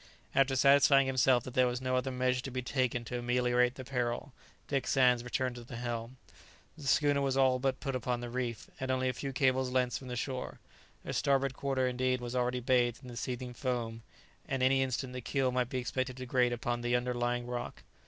After satisfying himself that there was no other measure to be taken to ameliorate the peril, Dick Sands returned to the helm. The schooner was all but upon the reef, and only a few cables' length from the shore; her starboard quarter indeed was already bathed in the seething foam, and any instant the keel might be expected to grate upon the under lying rock.